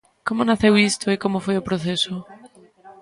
Como naceu isto e como foi o proceso?